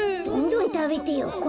どんどんたべてよ。